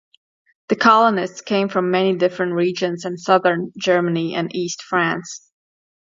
The colonists came from many different regions in southern Germany and East France.